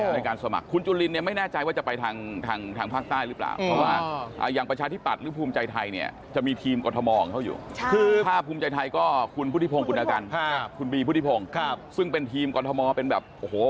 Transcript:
ในการสมัครคุณจุ่นลินเนี่ยไม่แน่ใจว่าจะไปทางภาคใต้รึเปล่า